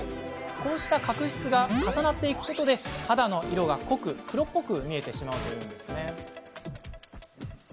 こうした角質が重なっていくことで肌の色が濃く黒っぽく見えてしまうというんです。